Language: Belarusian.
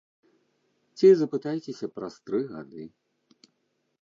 Ці запытайцеся праз тры гады.